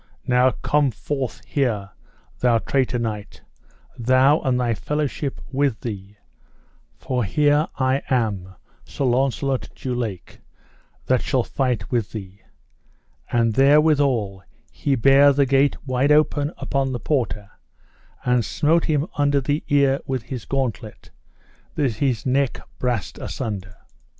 now come forth here, thou traitor knight, thou and thy fellowship with thee; for here I am, Sir Launcelot du Lake, that shall fight with you. And therewithal he bare the gate wide open upon the porter, and smote him under his ear with his gauntlet, that his neck brast a sunder.